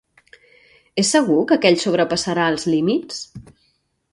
És segur que aquell sobrepassarà els límits?